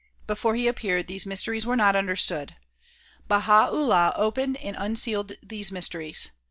Before he appeared these myste ries were not understood. Baha 'Ullah opened and unsealed these mysteries.